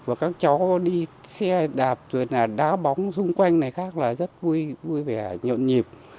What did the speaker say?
và các chó đi xe đạp đá bóng xung quanh này khác là rất vui vẻ nhộn nhịp